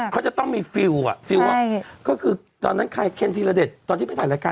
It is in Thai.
เขาจะต้องมีฟิลอ่ะฟิลก็คือตอนนั้นใครเคนธีรเดชตอนที่ไปถ่ายรายการ